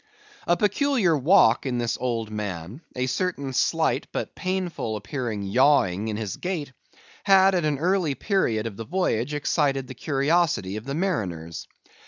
A peculiar walk in this old man, a certain slight but painful appearing yawing in his gait, had at an early period of the voyage excited the curiosity of the mariners.